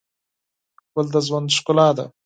ګل د ژوند ښکلا ده.